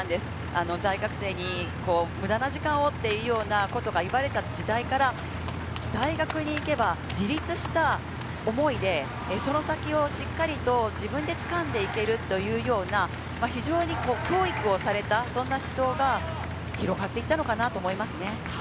大学生に無駄な時間をというようなことが言われた時代から、大学に行けば自立した思い出、その先をしっかりと自分で掴んでいけるというような、非常に教育をされた、そういった指導が広がっていったのかなと思いますね。